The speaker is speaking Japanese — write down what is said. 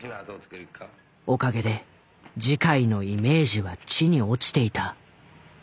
おかげで慈海のイメージは地に落ちていた。